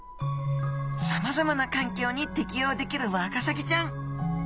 さまざまな環境に適応できるワカサギちゃん。